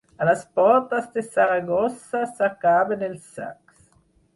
A les portes de Saragossa, s'acaben els sacs.